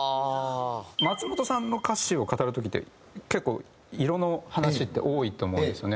松本さんの歌詞を語る時って結構色の話って多いと思うんですよね。